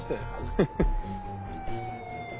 フフッ。